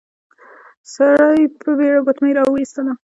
سړی په بېړه ګوتمی راويستلې.